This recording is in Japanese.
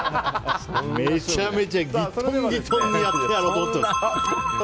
めちゃめちゃギトンギトンにやってやろうと思ってます！